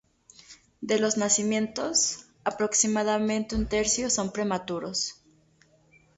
De los nacimientos, aproximadamente un tercio son prematuros.